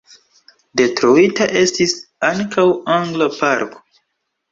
Detruita estis ankaŭ angla parko.